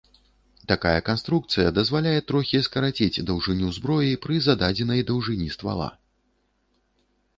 Такая канструкцыя дазваляе трохі скараціць даўжыню зброі пры зададзенай даўжыні ствала.